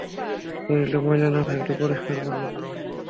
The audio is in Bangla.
শরীরে ময়লা না থাকলে পরিস্কার করব কিভাবে?